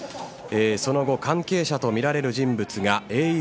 その後、関係者とみられる人物